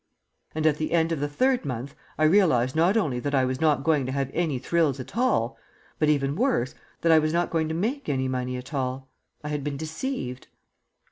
And at the end of the third month I realized not only that I was not going to have any thrills at all, but (even worse) that I was not going to make any money at all. I had been deceived.